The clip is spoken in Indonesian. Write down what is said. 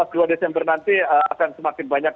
dua desember nanti akan semakin banyak